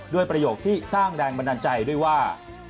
ประโยคที่สร้างแรงบันดาลใจด้วยว่า